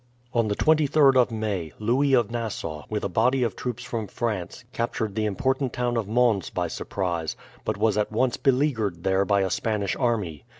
On the 23rd of May, Louis of Nassau, with a body of troops from France, captured the important town of Mons by surprise, but was at once beleaguered there by a Spanish army.